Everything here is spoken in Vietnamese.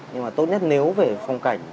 nhưng mà tốt nhất nếu về phong cảnh